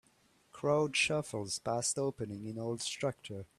Crowd shuffles past opening in old structure.